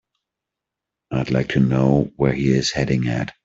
I'd like to know where he is heading at.